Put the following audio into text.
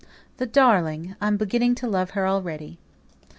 the darling I am beginning to love her already!"